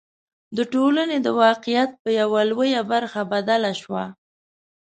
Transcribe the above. د ټولنې د واقعیت په یوه لویه برخه بدله شوه.